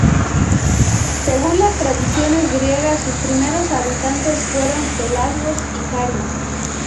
Según las tradiciones griegas, sus primeros habitantes fueron pelasgos y carios.